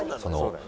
その。